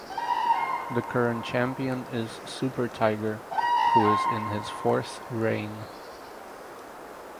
The current champion is Super Tiger who is in his fourth reign.